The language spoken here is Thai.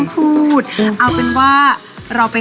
ก็มันเผ็ดไป